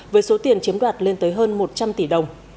với số tiền chiếm đoạt lên tới hơn một trăm linh tỷ đồng